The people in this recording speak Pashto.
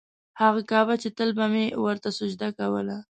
هغه کعبه چې تل به مې ورته سجده کوله.